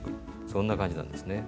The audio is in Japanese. そんな感じなんですね。